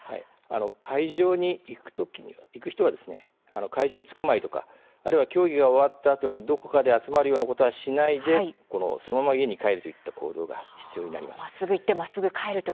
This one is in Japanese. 会場に行く人は会場に着く前とかあるいは競技が終わったあとに、どこかで集まるようなことはしないでそのまま家に帰るということが必要になります。